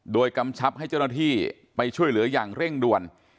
โดยกำชับให้เจ้าหน้าที่ไปช่วยเหลืออย่างเร่งด่วน